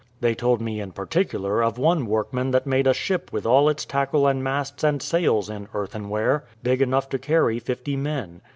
They told me, in particular, of one workman that made a ship with all its tackle and masts and sails in earthenware, big enough to carry fifty men.